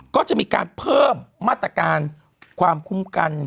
ก็จะมีการเพิ่มมาตรการความคุ้มกัน